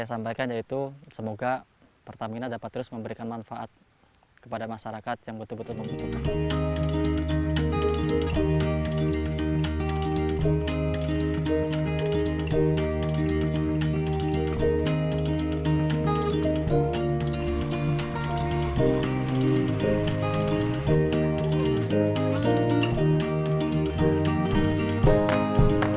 dan kemudian yaitu semoga pertamina dapat terus memberikan manfaat kepada masyarakat yang betul betul membutuhkan